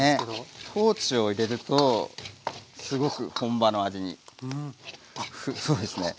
トーチを入れるとすごく本場の味にそうですね